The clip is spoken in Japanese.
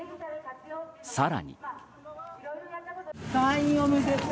更に。